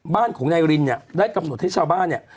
บ้านของนายรินเนี่ยได้กำหนดให้ชาวบ้านเนี่ย